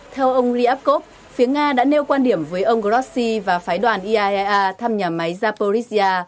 theo ông ryabkov phía nga đã nêu quan điểm với ông grossi và phái đoàn iaea thăm nhà máy zaporizhia